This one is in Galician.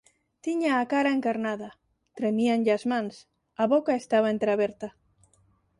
Tiña a cara encarnada, tremíanlle as mans, a boca estaba entreaberta.